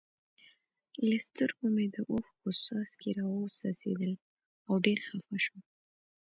له سترګو مې د اوښکو څاڅکي را و څڅېدل او ډېر خپه شوم.